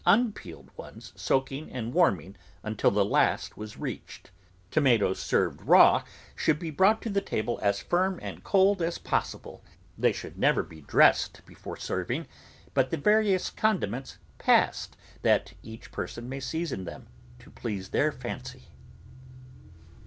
unpeeled ones soaking and warming until the last was reached. Tomatoes served raw should be brought to the table as firm and cold as possible. They should never be dressed before serving, but the various condiments passed that each person may season them to please their fancy.